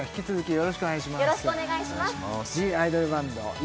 よろしくお願いします